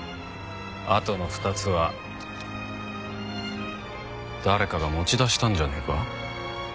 あとの２つは誰かが持ち出したんじゃねえか？